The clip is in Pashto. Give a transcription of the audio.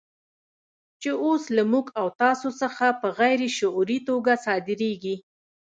چې اوس له موږ او تاسو څخه په غیر شعوري توګه صادرېږي.